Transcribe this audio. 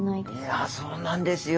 いやそうなんですよ。